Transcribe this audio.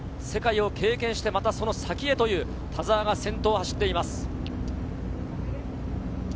世界を経験して、さらにその先へという田澤が先頭を走っています。